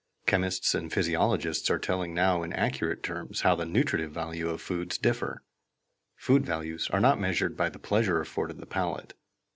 _ Chemists and physiologists are telling now in accurate terms how the nutritive values of foods differ. Food values are not measured by the pleasure afforded the palate.